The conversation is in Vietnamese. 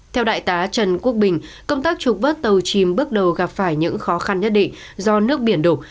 theo đại tá trần quốc bình công tác trục vớt tàu chìm bước đầu gặp phải những khó khăn nhất định do nước biển đổ